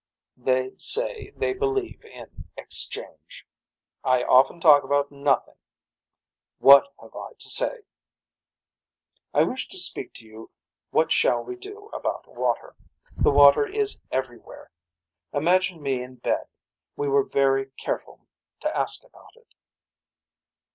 They say they believe in exchange. I often talk about nothing. What have I to say. I wish to speak to you what shall we do about water. The water is everywhere. Imagine me in bed. We were very careful to ask about it.